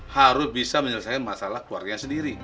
harus bisa menyelesaikan masalah keluarganya sendiri